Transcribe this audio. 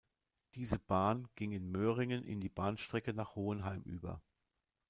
Diese Bahn ging in Möhringen in die Bahnstrecke nach Hohenheim über.